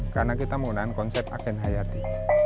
karena kita menggunakan konsep aken hayati